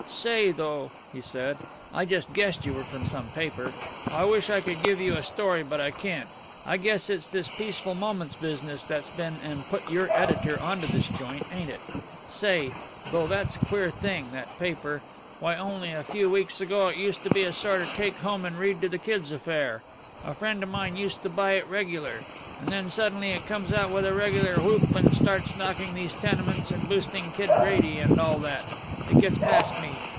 "Say, though," he said, "I just guessed you were from some paper. I wish I could give you a story, but I can't. I guess it's this Peaceful Moments business that's been and put your editor on to this joint, ain't it? Say, though, that's a queer thing, that paper. Why, only a few weeks ago it used to be a sort of take home and read to the kids affair. A friend of mine used to buy it regular. And then suddenly it comes out with a regular whoop, and starts knocking these tenements and boosting Kid Brady, and all that. It gets past me.